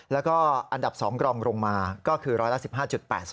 แล้วก็อันดับ๒กรองลงมาก็คือร้อยละ๑๕๘๒